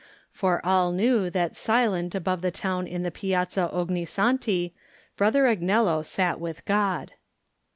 For all knew that silent above the town in the Piazza Ogni Santi Brother Agnello sat with God.